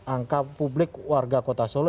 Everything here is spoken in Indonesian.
angka publik warga kota solo